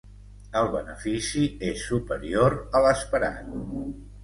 El benefici és superior a l'esperat